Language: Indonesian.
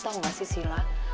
tau ga sih sila